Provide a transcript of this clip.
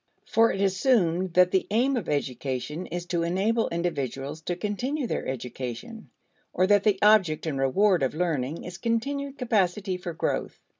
For it assumed that the aim of education is to enable individuals to continue their education or that the object and reward of learning is continued capacity for growth.